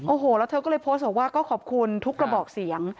โอ้โหแล้วเธอก็เลยโพสต์บอกว่าก็ขอบคุณทุกกระบอกเสียง